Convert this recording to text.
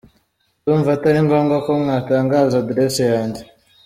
Ndumva atari ngombwa ko mwatangaza Adresse yanjye.